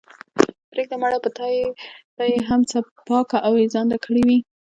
پرېږده مړه په تا به ئې هم څپياكه اوېزانده كړې وي۔